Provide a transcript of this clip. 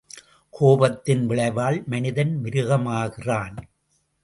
கோபத்தின் விளைவால், மனிதன் மிருகமாகிறான்.